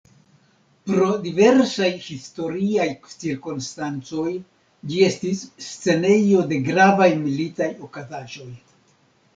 Pro diversaj historiaj cirkonstancoj ĝi estis scenejo de gravaj militaj okazaĵoj.